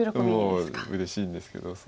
もううれしいんですけど。